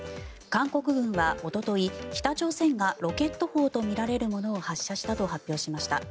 韓国軍はおととい、北朝鮮がロケット砲とみられるものを発射したと発表しました。